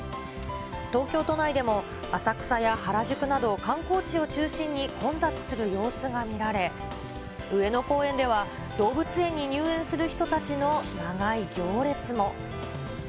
東京都内でも浅草や原宿など、観光地を中心に、混雑する様子が見られ、上野公園では、動物園に入園する人たちの長い行列も。